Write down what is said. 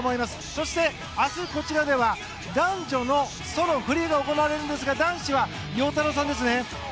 そして、明日こちらでは男女のソロフリーが行われますが男子は陽太郎さんですね。